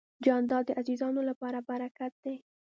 جانداد د عزیزانو لپاره برکت دی.